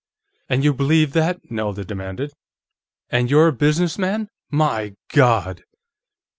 "And you believed that?" Nelda demanded. "And you're a business man? _My God!